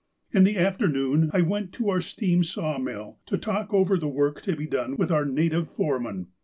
"In the afternoon, I went to our steam sawmill, to talk over the work to be done with our native foreman.